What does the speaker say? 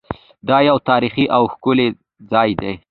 دا یو تاریخي او ښکلی ځای دی.